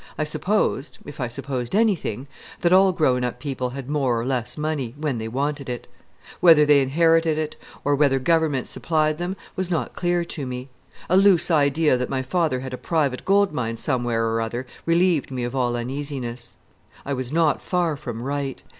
I supposed if I supposed anything that all grown up people had more or less money, when they wanted it. Whether they inherited it, or whether government supplied them, was not clear to me. A loose idea that my father had a private gold mine somewhere or other relieved me of all uneasiness. I was not far from right.